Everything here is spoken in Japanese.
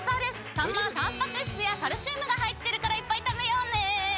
サンマはたんぱくしつやカルシウムがはいってるからいっぱいたべようね。